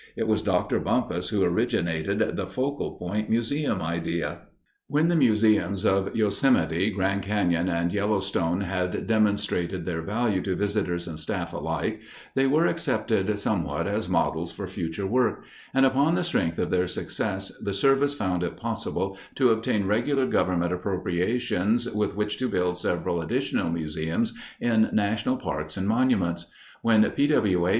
It was Dr. Bumpus who originated the "focal point museum" idea. When the museums of Yosemite, Grand Canyon, and Yellowstone had demonstrated their value to visitors and staff alike, they were accepted somewhat as models for future work, and upon the strength of their success, the Service found it possible to obtain regular government appropriations with which to build several additional museums in national parks and monuments. When P.W.A.